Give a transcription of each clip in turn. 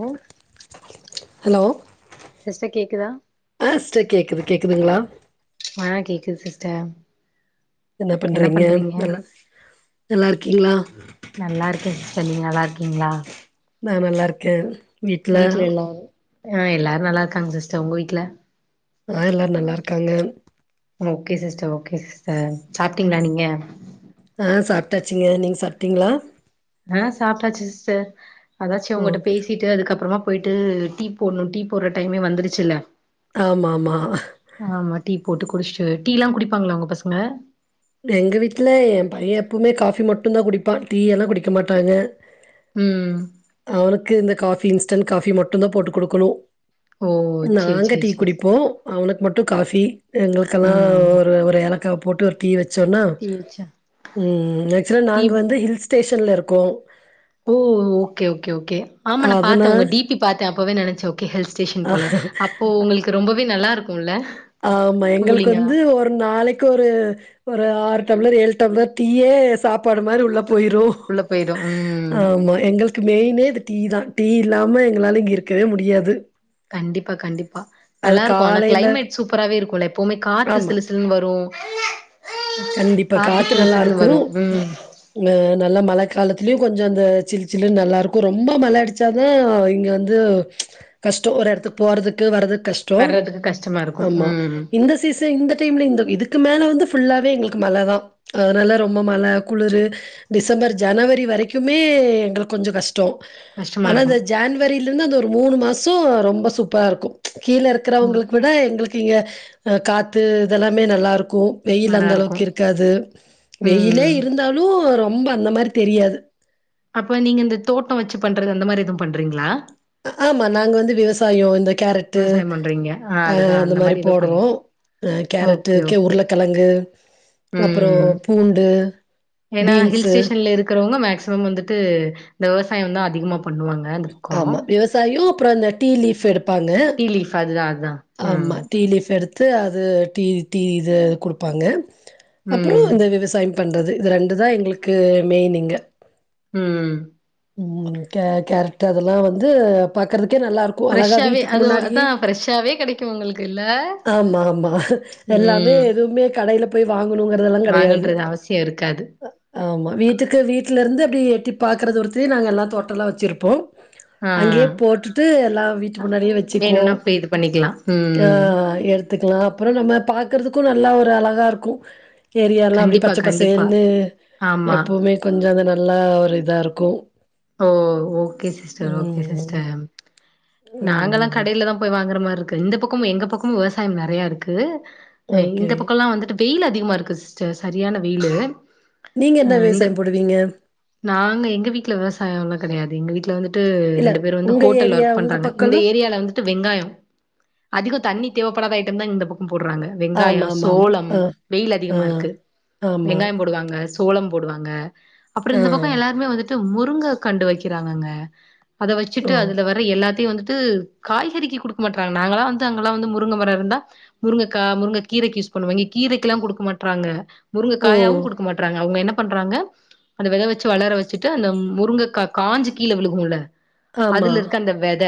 ஓ hello sister கேக்குதா ஆ sister கேக்குது கேக்குதுங்ளா ஆ கேக்குது சிஸ்டர் என்ன பண்றீங்க நல்லா நல்லாருக்கீங்ளா நல்லாருக்கே சிஸ்டர் நீங்க நல்லாருக்கீங்ளா நா நல்லாருக்கே வீட்ல எல்லாரு ஆ எல்லாரு நல்லாருக்காங்க சிஸ்டர் உங்க வீட்ல ஆ எல்லாரு நல்லாருக்காங்க ஓகே சிஸ்டர் ஓகே சிஸ்டர் சாப்ட்டீங்ளா நீங்க ஆ சாப்ட்டாச்சுங்க நீங்க சாப்ட்டீங்ளா ஆ சாப்ட்டாச்சு சிஸ்டர் அதாச்சு உங்கட்ட ஓகே பேசி டு அதுக்கப்றமா போயிட்டு டீ போட்ணு டீ போடுற டைமே வந்துருச்சுல்ல ஆமாமா ஆமா டீ போட்டு குடிச்ட்டு டீலா குடிப்பாங்ளா உங்க பசங்க எங்க வீட்ல எ பைய எப்பமே காஃபி மட்டு தா குடிப்பா டீயெல்லா குடிக்க மாட்டாங்க ம் அவனுக்கு இந்த காஃபி இன்ஸ்டன்ட் காஃபி மட்டுந்தா போட்டு குடுக்கணு ஓ சேரி நாங்க சேரி டீ சேரி குடிப்போ அவனுக்கு மட்டு காஃபி எங்களுக்கெல்லா ம் ஒரு ஒரு ஏலக்கா போட்டு ஒரு டீ வச் சோன்னா டீ வச்சா ம் ஆக்சுவலா நாங்க டீ வந்து ஹில்ஸ்டேஷன்ல இருக்கோ ஓ ஓகே ஓகே ஓகே ஆமா நா அதனா பாத்த உங்க டி பி பாத்தே அப்பவே நெனச்சே ஓகே ஹில்ஸ்டேஷன் ஆ போல அப்போ உங்களுக்கு ரொம்பவே நல்லாருக்குல்ல ஆமா எங்களுக்கு வந்து ஒரு நாளைக்கு ஒரு ஒரு ஆறு டம்ளர் ஏழு டம்ளர் டீயே சாப்பாடு மாரி உள்ள போயிரு உள்ள போயிடும். ம். ஆமா எங்களுக் கு மெயினே இது டீ தா டீ இல்லாம எங்களால இங்க இருக்கவே முடியாது கண்டிப்பா கண்டிப்பா அது நல்லாருக்கு ஆனா காலையில கிளைமேட் சூப்பராவே இருக்குல்ல எப்பவுமே காத்து ஆமா. சிலு சி டுன் வரு கண்டிப்பா. காத்து சிலு சிலுனு வரு நல்லாருக்கும். ம் அ நல்ல மழ காலத்திலயு கொஞ்சோ அந்த சிலு சிலுன் நல்லா இருக்கு ரொம்ப மழ அடிச்சா தா இங்க வந்து கஷ்டோ ஒரு எடத்துக்கு போறதுக்கு வர்றதுக்கு கஷ் டோ வர்றதுக்கு கஷ்டமா இருக்கும். ஆமா ம். இந்த சீசன் இந்த டைம்ல இந்த இதுக்கு மேல வந்து ஃபுல்லா வே எங்களுக் மழ தா அதனால ரொம்ப மழ குளுரு டிசம்பர் ஜனவரி வரைக்குமே எங்களுக்கு கொஞ்ச கஷ்டோ கஷ்டமா ஆனா அந்த இருக்கும். ஜான்வரியில இருந்து அந்த ஒரு மூணு மாசோ ரொம்ப சூப்பரா இருக்கு கீழ இருக்கறவங்களுக்கு விட எங்களுக்கு இங்க காத்து இதெல்லாமே நல்லா இருக்கு அந்த அளவுக்கு நல்லாருக்கும். இருக்காது வெயிலே ம். இருந்தாலு ரொம்ப அந்த மாரி தெரியாது அப்போ நீங்க இந்த தோட்டோ வச்சு பண்றது அந்த மாரி எதுவு பண்றீங்களா ஆமா நாங்க வந்து விவசாயோ இந்த கேரட்டு விவசாயம் பண்றீங்க. ஆ அ அதுதான் அந்த மாரி ஏதோ பண் போடுவோ அ கேரட்டு ஓகே, ஓகே. உருளக்கெழங்கு அப்புறோ ம். பூண்டு ஏன்னா பீன்ஸ் ஹில் ஸ்டேஷன்ல இருக்கிறவங்க மேக்சிமம் வந்துட்டு இந்தவிவசாயம் தா அதிகமா பண்ணுவாங்க அந்த பக்கோ ஆமா விவசாயு அப்புறோ இந்த டீ லீஃப் எடுப் ப்பாங்க டீ லீஃப் அதுதா அதுதா ஆமா ம் டீ லீஃப் எடுத் த்து அது டீ டீ இது குடுப்பாங்க அப்புறோ ம் அந்த விவசாயம் பண்றது இது ரெண்டு தா எங்களுக்கு மெயின்னிங்க ம் ம் கே கேரட் டு அதெல்லா வந்து பாக்கறதுக்கே நல்லா இருக்கு அழகா ஃப்ரெஷ்ஷாவே வீட்டுக்கு அது அதா முன்னாடியெ ஃப்ரெஷ்ஷாவே கெடைக்கு உங்களுக்கு இல்ல ஆமா ஆமா எல்லாமே ம் எதுவுமே கடையில போய் வாங்கணுங்கறதெல்லா கெடயாது வாங்கன்றது அவசியோ இருக்காது ஆமா வீட்டுக்கு வீட்டுலருந்து அப்டி எட்டி பாக்கற தூரத்திலேயே நாங்க எல்லா தோட்டலா வச்சுருப்போ ஆ அங்கே போட்டுட்டு எல்லா வீட்டுக்கு முன்னாடியே வச்சுக்குவோ வேணும்னா போய் இது பண்ணிக்கலா ஆ ம் எடுத் பாத்துக்கலா அப்புறோ நம்ம பாக்கறதுக்கு நல்லா ஒரு அழகாக இருக்கு ஏரியாலா அப்படியே கண்டிப்பா பச்ச கண்டிப்பா பசேல்லு ஆமா எப்பவுமே கொஞ்சோ அது நல்லா ஒரு இதா இருக்கு ஓ ஓகே சிஸ்டர் ஓகே ம். சிஸ்டர் நாங்கல்லா அதேதான். கடயில இங்கதா போய் வாங்கற மாரி இருக்கு இந்த பக்கமு எங்க பக்கமு விவசாயம் நெரய இருக்கு ஓகே. இந்த பக்கல்லா வந்துட் வெயிலு அதிகமா இருக்கு சிஸ்டர் சரியான வெயிலு நீங்க என்ன அ இந்த விவசாயம் போடுவீங்க நாங்க எங்க வீட்டுல விவசாயோ எல்லா கெடயாது எங்க வீட்டுல வந்து ட்டு இல்ல ரெண்டு பேரு வந்து உங்க ஹோட்டல்ல ஏரியா ஒர்க் உங்க பண்றாங்க இந்த பக்கம்லாம்? ஏரியால வந்து த்து வெங்காயோ அதிகோ தண்ணிதேவபடாத ஐட்டம் தா இந்த பக்கம் போடுறாங்க வெங்காயோ ஆமாமாமா. சோளம் ஆ, வெயில் ஆ, அதிகமா இருக்கு ஆமா. வெங்காயம் போடுவாங்க சோளம் போடுவாங்க அப்புறோ ஆ. இந்த பக்கோ எல்லாருமே வந்துட்டு முருங்க கண்டு வைக்கிறாங்கங்க அத ஓ, வச்சுட்டு அதுல வர எல்லாத் தி வந்துட்டு காய்கறிக்கு கொடுக்க மாட்றாங்க நாங்களா வந்து அங்கலா வந்து முருங்கமரோ இருந்தா முருங்கக்கா முருங்க கீரைக்கி யூஸ் பண்ணுவோ இங்கே கீரைக்கி எல்லா குடுக்க மாட்றாங்க முருங்க ஓ. காயாவு குடுக்க மாட்றாங்க அவ்ங்க என்ன பண்றாங்க அந்த வெத வச்சு வளர வச்சிட்டு அந்த முருங்க கா காஞ்சு கீழே விழுகுல்ல ஆமா. அதுல இருக்கு அந்த வெத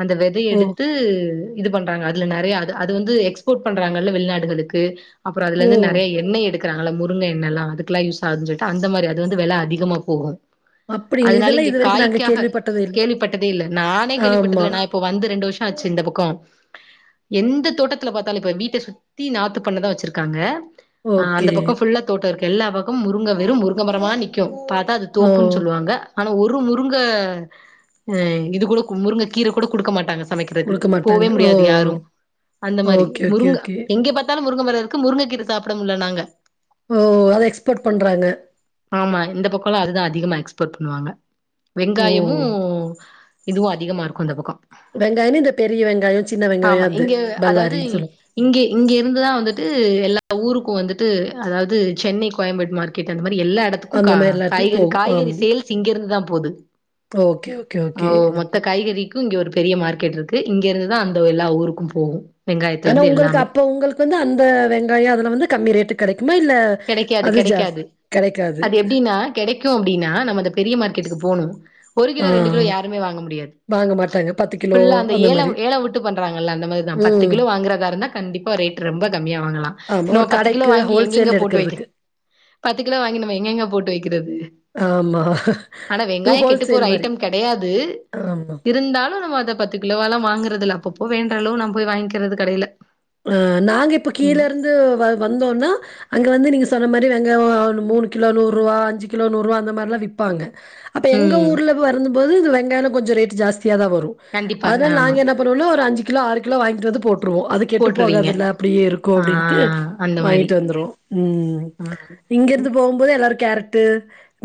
அந்த வெதய ஓ, எடுத்து இது பண்றாங்க அதுல நிறைய அது அது வந்து எக்ஸ்போர்ட் பண்றாங்கல்ல வெளிநாடுகளுக்கு அப்புறோ அது ஓ. இருந்து நெறைய என்ணை எடுக் கிராகாங்கள முருங்க எண்ணெல்லா வந்து அதுக்கெலா யூஸ் ஆகுன் சொல்ட்டு அந்த மாரி அது வந்து வில அதிகமா போகு அப்டிங்களா? அதனால இதெல்லாம் இங்க இதுவரைக்கும் நாங்க காய்க்காக கேள்விப்பட்டதே இல்ல. கேள்விப்பட்டதே இல்ல நானே ஆமா. கேள்விப்பட்டதில்ல நா இப்போ வந்து ரெண்டு வர்ஷோ ஆச்சு இந்த பக்கோ எந்த தோட்டத்துல பாத்தாலு இப்ப வீட்ட சுத்தி நாத்து பண்ணதா வச்சுருக்காங்க அ ஓகே. அந்த பக்கோ ஃபுல்ல தோட்டோ இருக்கு எல்லா பக்கமு முருங்க வெறு முருங்கமரமா நிக் க்கு பாத்தா அது ஓ. தோப்புன்னு சொல்லுவாங்க ஆனா ஒரு முருங்க இது கூட முருங்க கீர கூட குடுக்க மாட்டாங்க சமைக்கிறது குடுக்க மாட்டாங்க. போவே ஓ. முடியாது யாரு அந்த மாரி ஓகே, ஓகே, முருங்க ஓகே. எங்கே பாத் த்தாலு முருங்க மரோ இருக்கு முருங்கக்கீர சாப்ட முடியில நாங்க ஓ அத எக்ஸ்பர்ட் பண்ணுறாங்க ஆமா இந்த பக்கலா அதுதா அதிகமா எக்ஸ்போர்ட் பண்ணுவாங்க ஓ! வெங்காயமும் இதுவும் அதிகமாக இருக்கும் அந்த பக்கம் வெங்காயம்னு இந்த பெரிய வெங்காய சின்ன வெங்காய ஆமா அது இங்க அதாவது பல்லாரின்னு சொல்லுங்க இங்க இங்க இருந்துதா வந்துட்டு எல்லா ஊருக்கும் வந்துட்டு அதாவது சென்னை கோயம்பேடு மார்க்கெட் அந்த மாதிரி எல்லா இடத்துக்கும் அந்த கா மாரிலாம் இடத்துக்கு காய்கறி போகும். ஆம். காய்கறி சேல் இங்கிருந்துதா போகுது ஓகே ஓகே ஓகே காய்கறிக்கும் இங்க ஒரு பெரிய மார்க்கெட் இருக்கு இங்க இருந்துதா அந்த எல்லா ஊருக்கும் போகு வெங்காயத்துல ஆனா இருந்து உங்களுக்கு எல்லாமே அப்ப உங்களுக்கு வந்து அந்த வெங்காயம் அதெல்லா வந்து கம்மி ரேட்டு கிடைக்குமா இல்ல கிடைக்காது அது ஜாஸ் கிடைக்காது கெடைக்காது. அது எப்டின்னா கிடைக்கும் எப்டின்னா நம்ம அந்த பெரிய மார்க்கெட்டுக்கு போனும் ஒரு ஆ கிலோ ரெண்டு கிலோ யாருமே வாங்க முடியாது வாங்க மாட்டாங்க. கிலோ ஃபுல்லா அந்த ஏழ மாரி. ஏழ விட்டு பண்றாங்கல்ல அந்த மாதிரி தா பத்து ம். கிலோ வாங்குறதா இருந்தா கண்டிப்பா ரேட் ரொம்ப கம்மியா வாங்கலா. ஆமா. நம்ம ஒரு பத்து கிலோ கடைக்கு வாங்கி எங்கெங்க ஹோல்சேல் போட்டு வைக்க எடுக்கறதுக்கு. பத்து கிலோ வாங்கி நம்ம எங்க எங்க போட்டு வைக்கிறது ஆமா. ஆனா இது வெங்காய கெட்டு போற ஹோல்சேல் மாரி. ஐட்டம் கிடையாது ஆமா. இருந்தாலு நம்ம அத பத்தி பத்து கிலோவ எல்லா வாங்குறதுல்ல அப்போ வேண்றாலளோ நம் போய் வாங்கிக்கிறது கடையில அ நாங்க இப்ப கீழே ம் இருந்தூ வந்தோம்னா அங்க வந்து நீங்க சொன்ன மாதிரி வெங்கயம் மூணு கிலோ நூறு ரூவா அஞ்சு கிலோ ரூபா அந்த மாதிரி விற்பாங்க அப்ப எங்க ம் ஊர்ல வரும் போது இந்த வெங்காயம் கொஞ்ச ரேட் ஜாஸ்தியா தா வரும் கண்டிப்பா அதனால ஆமா நாங்க என்ன என்ன பண்ணுவோன்னா ஒரு அஞ்சி கிலோ ஆறு கிலோ வாங்கிட்டு வந்து போட்டுருவோ அதுக்கு கெட்டு போட்டுருவீங்க போகதுல்ல அப்டியே இருக்கும் ஆ அப்டின்ட்டு அந்த மாரி வாங்கிட்டு வந்துருவோ ம் ம் ம் போ எல்லாரும் கேரட்டு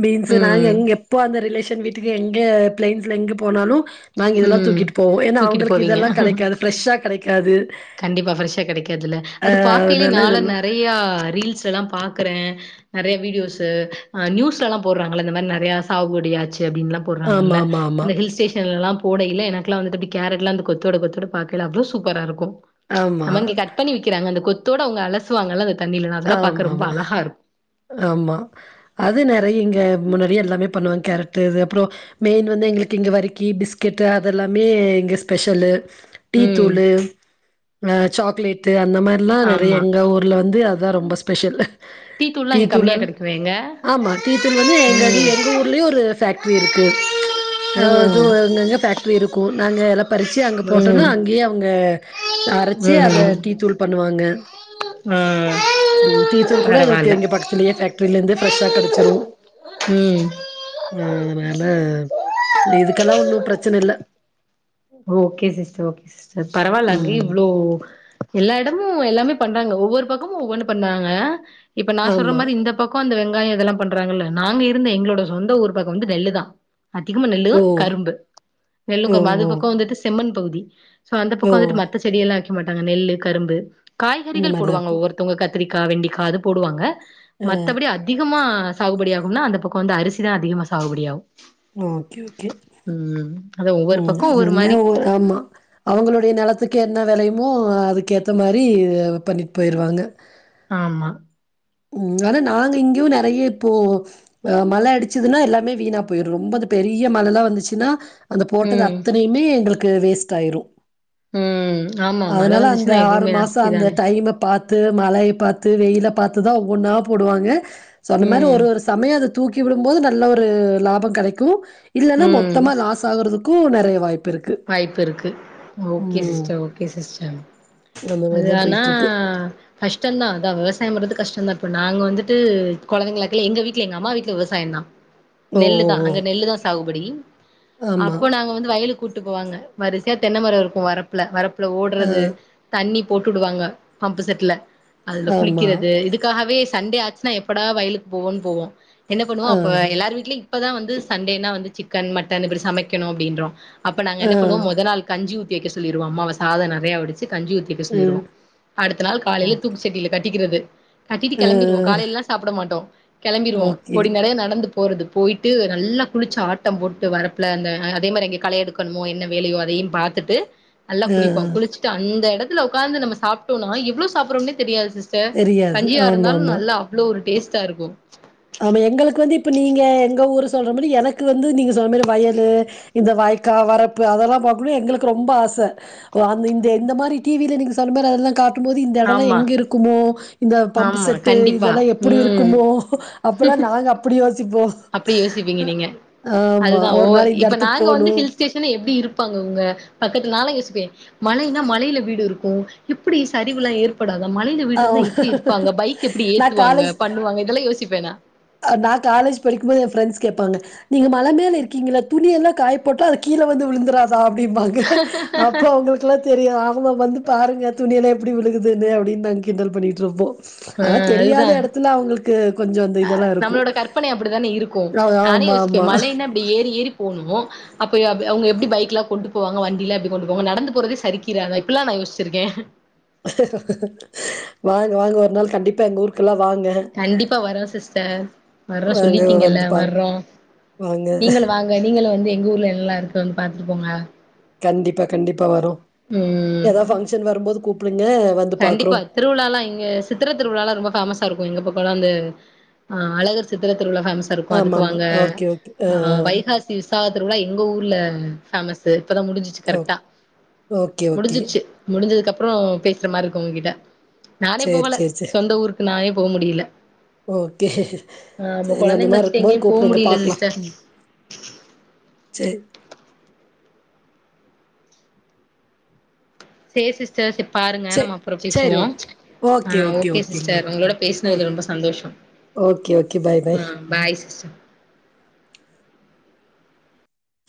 பீன்ஸ் நாங்க எங்க எப்போ அந்த ரிலேஷன் வீட்டு எங்க பிளைன்ஸ்ல எங்க போனாலு நாங்க இதெல்லா ம் தூக்கிட்டு போவோ ஏன்னா தூக்கிட்டு அவங்களுக்கு போவீங்க இதெல்லா கிடைக்காது ஃரெஷ்ஷா கிடைக்காது கண்டிப்பா ஃரெஷ் கிடைக்காதுல அது பாக்கயில அதனால நாள இதெல்லாம் நெறையா ரீல்ஸ் எல்லா பாக்குற நெறைய வீடியோஸ் நியூஸ்ல எல்லா போடுறாங்கள இந்த மாதிரி நெறைய சாகுபடியாச்சு அப்டினுல்லா போடுறாங்கல்ல ஆமாமாமா. அந்த ஹில்ஸ் டேஷன்ல எல்லா போட இல்ல எனக்குல்லா வந்துட்டுப்ப கேரட்லா அந்து கொத்தோட கொத்தோட பாக்குறப்ப அவ்ளோ சூப்பரா இருக்கும் ஆமா. ஆமா. நம்ம இங்க கட் பண்ணி வக்கிறாங்க அந்த கொத்தோட அவங்க அலசுவாங்கல்லா அந்த தண்ணியில ஆமா. அதெல்லா பாக்க ரொம்ப ஆமாமா, அழகா இருக்கும் ஆமா அது நெறைய இங்க முன்னாடியே எல்லாமே பண்ணுவாங்க கேரட்டு இது அப்பற மெயின் வந்து எங்களுக்கு இங்க வரிக்கி பிஸ்கெட்டு் அதெல்லாமே இங்க ஸ்பெஷல் டீ ம். தூள்ளு சாக்லேட் அந்த மாதிரி அதெல்லா நெறைய ஆமா. எங்க ஊருள்ள வந்து அதுதா ரொம்ப ஸ்பெஷல் டீ நாங்க கம்மியா தூளல் கிடைக்குங்க ஆமா டீ தூள் வந்து எங்க எங்க ஊர்லயு ஒரு ஃபேக்ட்ரி இருக்கு அ அது அங்கங்க ஃபேக்டரி இருக்கு நாங்க எல்லா பறிச்ச அங்க போட்டோம்னா ம் அங்கயே அவங்க ம் அரச்சி அத ம் டீ தூள் பண்ணுவாங்க ம் ம் டீத்தூள் கூட எங்களுக்கு பரவால்ல எங்க பக்கத்து பக்கத்ல ஃபேக்டரில இருந்து ஃபிரெஷா கிடைச்சிரும் ம் ஆ அதனால இதுக்கெல்லா ஒன்னும் பிரச்சன இல்ல ஓகே சிஸ்டர் ஓகே சிஸ்டர் பரவால்ல அங்கயு ம் இவ்ளோ எல்லா இடமும் எல்லாமே பண்றாங்க ஒவ்வொரு பக்கமும் ஒவ்வொன்னு பண்றாங்க இப்ப நா சொல்ற ஆமா மாதிரி இந்த பக்கம் கோ அந்த வெங்காயோ இதெல்லா பண்றாங்கல்ல நாங்க இருந்த எங்ளோட சொந்த ஊர் பக்கோ வந்து நெல்லுதா அதிகமா நெல்லு, ஓ கரும்பு நெல்லு ஓ கர்ம்பு அது ஓ பக்கோ வந்துட்டு செம்மண் பகுதி சோ அந்த ஓ பக்கோ வந்துட்டு மத்த செடியெல்லா வெக்க மாட்டாங்க நெல்லு, கரும்பு இந்த காய்கறிகள் மாரிதா போடுவாங்க இருக்கு ஒவ்வொரு த்தவ்ங்க கத்திரிக்கா, வெண்டிக்கா அது போடுவாங்க ஆ மத்தபடி அ திகமா சாகுபடி ஆகும்னா அந்த பக்கோ வந்து அரிசிதா அதிகமா சாகுபடி ஆவு ஓகே ஓகே ம் அதா ஒவ்வொரு ம் பக் அது வந்து ஒவ்வொர் ஆமா அவங்களுடைய நெலத்துக்கு என்ன வெளையுமோ அதுக்கேத்த மாரி அ பண்ணீட் போயிருவாங்க ஆமா ம் அதா நாங்க இங்கயு நெறைய இப்போ அ மழ அடிச்சுதுனா எல்லாமே வீணா போய்ரு ரொம்போ அது பெரிய மழல்லா வந்துச்சுன்னா அந்த போட்டது ம் அத்தனையுமே எங்களுக்கு வேஸ்ட் ஆய்ரு ம் ஆமா மழ அதுனால அந்த வந்துச்சுன்னா ஆறு எதுவுமே மாச நாஸ்தி அந்த தானே டைம பாத்து மழைய பாத்து வெயில பாத்துதா ஒவ்வொன்னா போடுவாங்க சொன்ன மாரி ம் ஒரு ஒரு சமயோ அது தூக்கி விடும்போது நல்ல ஒரு லாபோ கெடைக்கு இல்லனா ம் மொத்தமா லாஸ் ஆகறதுக்கு நெறைய வாய்ப்பிருக்கு வாய்ப்பிருக்கு ஓகே சிஸ்டர் ஓகே சிஸ்டர் அந்த மாரி அது தான் ஆனா போயிட்டுருக்கு. கஷ்டந்தா அதா விவசாயம் பண்றது கஷ்டந்தா இப்போ நாங்க வந்துட்டு கொழந்தைங்களா இர்க்கைல எங்க வீட்ல எங்க அம்மா வீட்ல விவசாயந்தா ஓ! நெல்லு ஓ! தா ஓ! அங்க நெல்லு தா சாகுபடி ஆமா. அப்போ நாங்க வந்து வயலுக் கூட்டு போவாங்க வருசையா தென்ன மரோ இருக்கு வரப்புல வரப்புல அ. ஓட்றது தண்ணி போட்டு உடுவாங்க பம்பு செட்ல அதுல ஆமா. குளிக்கிறது இதுக்காகவே சண்டே ஆச்சு னா எப்படா வயலுக்கு போவோன் போவோ என்ன பண்ணுவோ ஆ. அப்போ எல்லாரு வீட்லி இப்பதா வந்து சண்டேனா வந்து சிக்கன், மட்டன் இப்பிடி சமைக்கணு அப்டின்றோ அப்ப நாங்க ஆ. என்ன பண்ணுவோ மொத நாள் கஞ்சி ஊத்தி வெக்க சொல்லிருவோ அம்மாவ சாதோ நெறையா வடிச்சி கஞ்சி ஊத்தி வெக்க சொல்லிருவோ ம். அடுத்த நாள் ஓ. காலைல தூக்கு சட்டில கட்டிக்கிறது கட்டீட்டு அ. கெளம்பிருவோ காலைல்லா சாப்புட மாட்டோ கெளம்பிருவோ ஓகே. பொடி நடையா நடந்து போறது போய்ட்டு நல்லா குளிச்சு ஆட்டம் போட்டு வரப்புல அந்த அ அதே மாரி அங்க களையெடு க்கணுமோ என்ன வேலையோ அதையு பாத்துட்டு நல்லா அ. குளிப்போ குளிச்சி ட்டு அந்த எடத்துல ஒக்காந்து நம்ம சாப்ட்டோனா எவ்ளோ சாப்புட்றோனே தெரியாது சிஸ் டர் தெரியாது. கஞ்சியா இருந்தாலு ஆமாமா. நல்லா அவ்ளோ ஒரு டேஸ்ட்டா இருக்கு ஆமா எங்களுக்கு வந்து இப்ப நீங்க எங்க ஊரு சொல்ற மாரி எனக்கு வந்து நீங்க சொல்ற மாரி வயலு இந்த வாய்க்கா வரப்பு அதெல்லா பாக்கணுன் எங்களுக்கு ரொம்ப ஆச ஓ அந்த இந்த இந்த மாரி டி வி ல நீங்க சொன்ன மாரி அதெல்லா காட் டும்போது இந்த எடோலா ஆமா எங்க இருக்குமோ இந்த ஆமா பம்புசெட்டு கண்டிப்பா இதெல்லா ம் எப்பிடி இருக்குமோ அப்போல்லா நாங்க அப்புடி யோசிப்போ அப்பிடி யோசிப்பீங்க நீங்க அதுதா ஓ ஒரு நாள் இந்த இப்ப இடத்துக்கு நாங்க வந்து போணும். ஹில்ஸ் ஸ்டே ஷன் எப்டி இருப்பாங்க அவுங்க பக்கத்துல நாலா யோசிப்பே மலைனா மலைல வீடுருக்கு எப்பிடி சரிவுலா ஏற் படாத மலைல ஆ வீடு இர்ந்தா எப்பிடி இருப்பாங்க பைக் எப்பிடி நான் காலேஜ் ஏத்துவாங்க பண்ணுவாங்க இதெல்லா யோசிப்பே நா அ நா காலேஜ் படிக்கும்போது எ ஃப்ரெண்ட்ஸ் கேப்பாங்க நீங்க மல மேல இருக்கீங்கல்ல துணி எல்லா காய போட்டா அது கீழ வந்து விழுந்துறா தா அப்டிம்பாங்க அப்போ அவுங்களுக்கெல்லா தெரியாத் அவுங்க வந்து பாருங்க துணியெல்லா எப்பிடி விழுகுதுனு அப்டின் நாங் கிண்டல் பண்ணிகிட்ருப்போ ஆ ஆனா தெரியாத எடத்துல அவுங்களுக்கு கொஞ்சோ அ நம்மளோட கற்பனை அப்டித்தானே இருக்கு அ நானே ஆமா யோசிப்பே ஆமா. மலைனா அப்டி ஏறி ஏறி போனு அப்பய அப் அவுங்க எப்டி பைக்லா கொண்டு போவாங்க வண்டில எப்டி கொண்டு போவாங்க நடந்து போறதே சரிக்கிறாங்த இப்பெல்லா நா யோசிச்சிருக்கே வாங்க வாங்க ஒரு நாள் கண்டிப்பா எங்க ஊருக்கெல்லா வாங்க கண்டிப்பா வரோ சிஸ்டர் வர்றோ வாங்க சொல்லிட்டீங்கல்ல வந்து பாருங்க. வர்றோ வாங்க. நீங்க வாங்க அதா நீங்களு வந்து எங்க ஊர்ல என்னெல்லா இருக்குனு பாத்துட்டுபோங்க கண்டிப்பா கண்டிப்பா வரோ ம் ஏதாது பங்க்ஷன் வரும்போது கூப்புடுங்க வந் கண்டிப்பா திருவிழால்லா இங்க சித்திர திருவிழால்லா ரொம்ப ஃபேமஸா இருக்கு எங்க பக்கோல்லா அந்த ஆ அழகர் சித்திர திருவிழா ஃபேமஸா இருக்கு அதுக்கு ஆமாமா. வாங்க ஓகே ஓகே. ஆ வைகாசி விசாக திருவிழா எங்க ஊர்ல ஃபேமஸு இப்பதா முடிஞ்சி சி ஓ கரெக்டா ஓகே ஓகே. முடிஞ்சிச்சி முடிஞ்சதுக்கு அப்றோ பேசுற மாரி இருக்கு உங்ககிட்ட நானே சேரி போகல சேரி சேரி சொந்த ஊருக்கு நானே போக முடில ஓகே சேரி அந்த கொழந்தைங்கள மாரி வச்சுட்டு இருக்கு போது எங்கேயு போ கூப்புடுங்க முடியல பாக்கலா சிஸ்டர் சேரி சேரி சிஸ்டர்ஸ் பாருங்க சேரி நம்ம அப்றோ சேரி பேசுவோ ஓகே ஆ ஓகே சிஸ்டர் உங்களோட பேசுனதுல ஓகே ரொம்ப சந்தோஷோ ஓகே ஓகே பாய் பாய் ஆ பாய் சிஸ்டர்